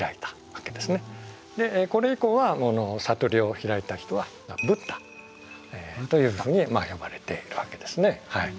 これ以降は悟りを開いた人はブッダというふうに呼ばれているわけですね。